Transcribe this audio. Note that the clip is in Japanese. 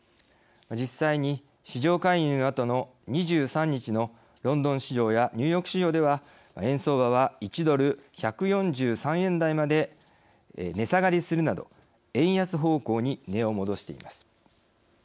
実際に、市場介入のあとの２３日のロンドン市場やニューヨーク市場では円相場は、１ドル１４３円台まで値下がりするなど円安方向に値を戻しています。